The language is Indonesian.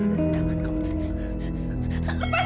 jangan kamu tinggal